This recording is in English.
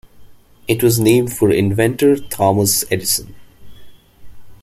It was named for inventor Thomas Edison.